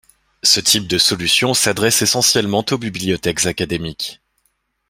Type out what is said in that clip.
Ce type de solution s'adresse essentiellement aux bibliothèques académiques.